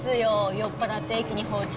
酔っぱらって駅に放置？